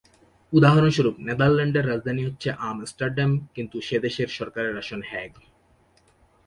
উদাহরণস্বরূপ, নেদারল্যান্ডসের রাজধানী হচ্ছে আমস্টারডাম; কিন্তু সে দেশের সরকারের আসন হেগ।